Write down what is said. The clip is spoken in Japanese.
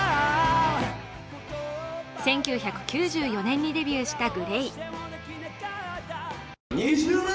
１９９４年にデビューしたＧＬＡＹ。